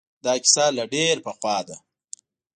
دا قصه له ډېر پخوا ده